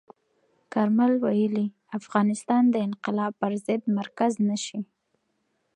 کارمل ویلي، افغانستان د انقلاب پر ضد مرکز نه شي.